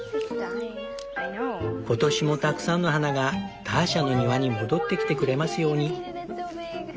今年もたくさんの花がターシャの庭に戻ってきてくれますように。